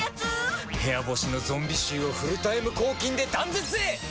部屋干しのゾンビ臭をフルタイム抗菌で断絶へ！